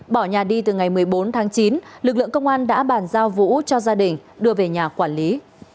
bỏ nhà đi từ ngày một mươi bốn tháng chín lực lượng công an đã bàn giao vũ cho gia đình đưa về nhà quản lý